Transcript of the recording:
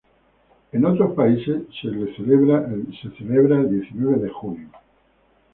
En otros países se lo celebra el diecinueve de junio.